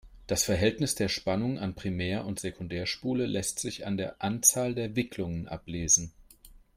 Das Verhältnis der Spannung an Primär- und Sekundärspule lässt sich an der Anzahl der Wicklungen ablesen.